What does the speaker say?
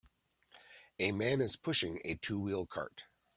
A man is pushing a two wheel cart